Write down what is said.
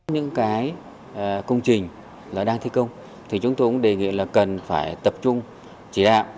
những cái công trình đang thi công thì chúng tôi cũng đề nghị là cần phải tập trung chỉ đạo